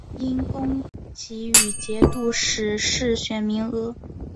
因功给予节度使世选名额。